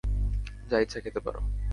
যা ইচ্ছে খেতে পারো।